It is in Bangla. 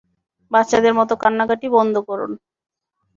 বাচ্চাদের মত কান্নাকাটি বন্ধ করুন।